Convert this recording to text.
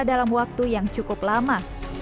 dalam waktu yang cukup lama